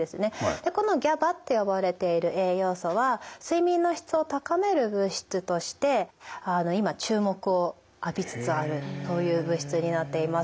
でこのＧＡＢＡって呼ばれている栄養素は睡眠の質を高める物質として今注目を浴びつつあるという物質になっています。